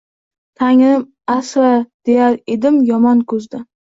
Tangrim, asra deyar edim yomon ko‘zdan